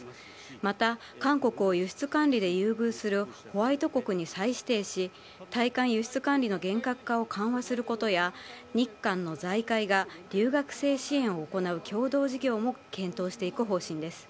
また韓国を輸出管理で優遇するホワイト国に再指定し、対韓輸出管理の厳格化を緩和することや、日韓の財界が留学生支援を行う共同事業も検討していく方針です。